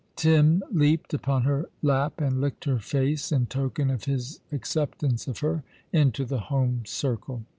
Tim leapt upon her lap and licked her face, in token of his acceptance of her into the home circle.